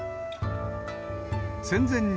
戦前に、